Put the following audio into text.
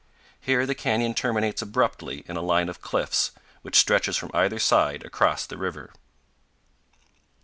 Here the canyon terminates abruptly in a line of cliffs, which stretches from either side across the river.